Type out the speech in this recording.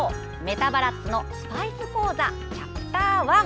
メタ・バラッツのスパイス講座チャプター１。